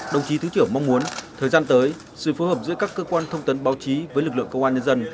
đồng chí thứ trưởng mong muốn thời gian tới sự phối hợp giữa các cơ quan thông tấn báo chí với lực lượng công an nhân dân